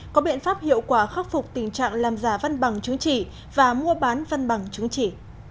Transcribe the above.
có biện pháp hiệu quả khắc phục tình trạng làm giả văn bằng chứng chỉ và mua bán văn bằng chứng chỉ